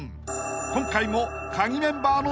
［今回もカギメンバーの］